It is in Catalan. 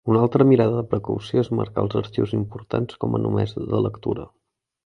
Una altra mida de precaució és marcar els arxius importants com a "només de lectura".